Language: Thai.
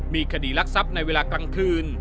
มีคดีรักทรัพย์ในเวลากลางคืน